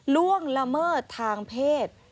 ล่วงละเมิดทางเพศ